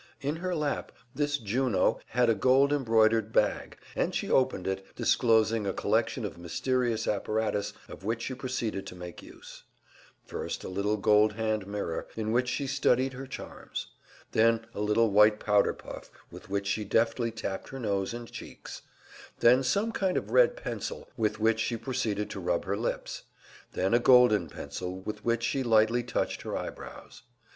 In her lap this Juno had a gold embroidered bag, and she opened it, disclosing a collection of mysterious apparatus of which she proceeded to make use: first a little gold hand mirror, in which she studied her charms; then a little white powder puff with which she deftly tapped her nose and cheeks; then some kind of red pencil with which she proceeded to rub her lips; then a golden pencil with which she lightly touched her eyebrows.